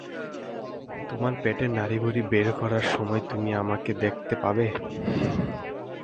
তোমার পেটের নাড়িভুঁড়ি বের করার সময় তুমি আমাকে দেখতে পাবে।